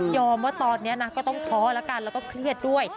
ว่าตอนนี้นะก็ต้องท้อแล้วกันแล้วก็เครียดด้วย